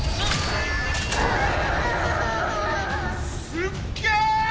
すっげぇ！